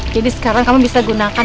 jadi sekarang kamu bisa gunakan